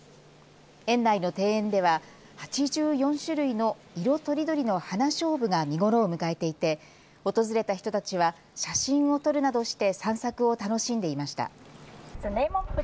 園内の庭園では８４種類の色とりどりのハナショウブが見頃を迎えていて訪れた人たちは写真を撮るなどして散策を楽しんでいました。